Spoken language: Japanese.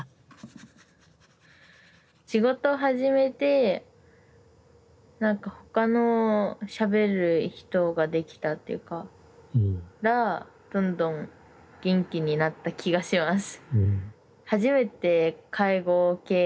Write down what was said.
仕事始めて何か他のしゃべる人が出来たらどんどん元気になった気がします。